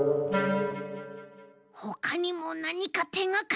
ほかにもなにかてがかりがあるはず。